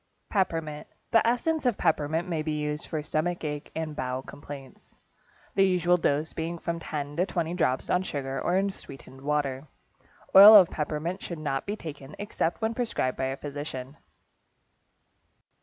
=Peppermint.= The essence of peppermint may be used for stomach ache and bowel complaints, the usual dose being from 10 to 20 drops on sugar or in sweetened water. Oil of peppermint should not be taken, except when prescribed by a physician.